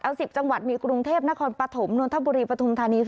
เอา๑๐จังหวัดมีกรุงเทพนครปฐมนวลธบุรีปฐุมธานี